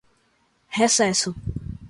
recesso